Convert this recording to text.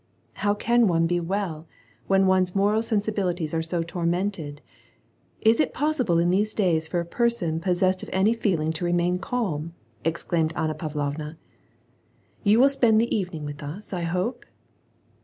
"How can one be well — when one's moral sensibilities are so tormented ? Is it possible in these days for a person possessed of any feeling to remain calm ?" exclaimed Anna Pavlovna. "You will spend the evening with us, I hope